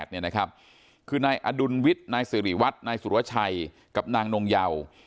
คือนายอดุลวิทย์นายสิริวัตรนายสุรชัยกับนางนงเยา